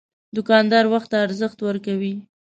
دوکاندار وخت ته ارزښت ورکوي.